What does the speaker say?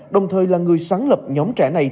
đồng thời là người sáng lập nhóm trẻ này